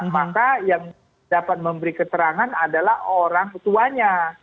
maka yang dapat memberi keterangan adalah orang tuanya